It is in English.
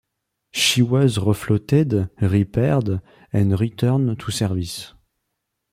She was refloated, repaired, and returned to service.